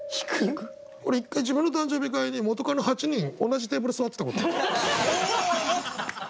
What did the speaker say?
俺１回自分の誕生日会に元カノ８人同じテーブル座ってたことある。